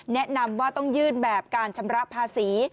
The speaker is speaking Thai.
แนะนำว่าต้องยื่นแบบการชำระภาษี